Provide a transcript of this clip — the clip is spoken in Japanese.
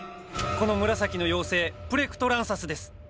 この紫の妖精プレクトランサスです。